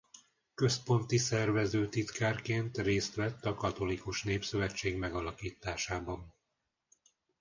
Központi szervező titkárként részt vett a Katolikus Népszövetség megalakításában.